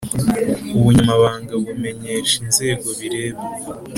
Ubunyamabanga bumenyesha inzego bireba